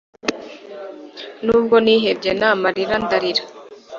nubwo nihebye n'amarira ndarira